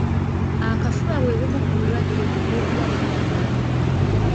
Akafuba bwe bumu ku bulwadde obw'obulabe mu Uganda.